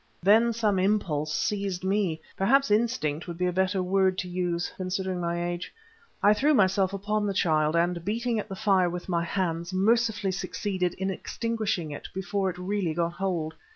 Then some impulse seized me—perhaps instinct would be a better word to use, considering my age. I threw myself upon the child, and, beating at the fire with my hands, mercifully succeeded in extinguishing it before it really got hold.